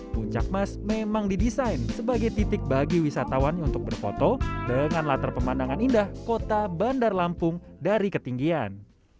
puncak mas memang didesain sebagai titik bagi wisatawan untuk berfoto dengan latar pemandangan indah kota bandar lampung dari ketinggian